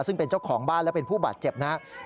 ซึ่งเป็นเจ้าของบ้านและเป็นผู้บาดเจ็บนะครับ